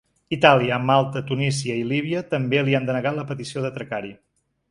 Itàlia, Malta, Tunísia i Líbia també li han denegat la petició d’atracar-hi.